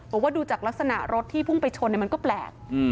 บอกว่าดูจากลักษณะรถที่พุ่งไปชนมันก็แปลก